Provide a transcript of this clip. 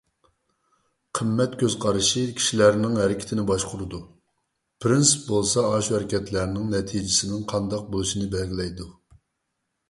قىممەت كۆز قارىشى كىشىلەرنىڭ ھەرىكىتىنى باشقۇرىدۇ. پىرىنسىپ بولسا ئاشۇ ھەرىكەتلەرنىڭ نەتىجىسىنىڭ قانداق بولۇشىنى بەلگىلەيدۇ.